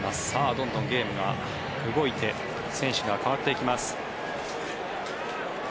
どんどんゲームが動いて選手が代わっていきます。